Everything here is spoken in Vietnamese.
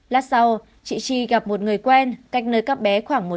lát sau chị chi gặp một người quen cách nơi các bé khoảng một trăm linh